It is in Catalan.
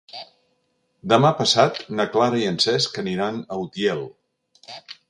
Demà passat na Clara i en Cesc aniran a Utiel.